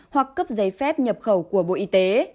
hoặc cấp giấy phép nhập khẩu của bộ y tế